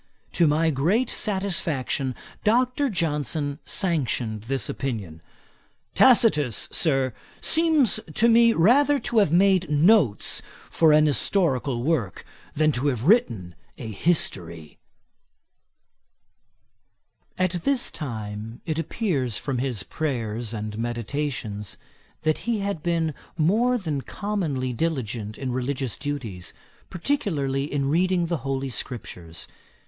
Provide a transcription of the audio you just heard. To my great satisfaction, Dr. Johnson sanctioned this opinion. 'Tacitus, Sir, seems to me rather to have made notes for an historical work, than to have written a history.' At this time it appears from his Prayers and Meditations, that he had been more than commonly diligent in religious duties, particularly in reading the Holy Scriptures.